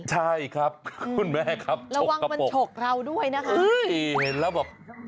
ใช่ครับคุณแม่ครับระวังมันฉกเราด้วยนะคะเห็นแล้วแบบ